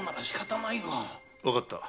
わかった。